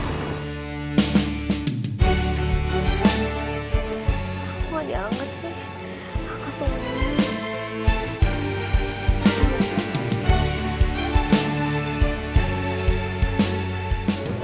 emangnya diangkat angkat juga